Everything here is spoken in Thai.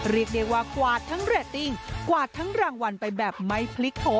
เรียกได้ว่ากวาดทั้งเรตติ้งกวาดทั้งรางวัลไปแบบไม่พลิกโผล่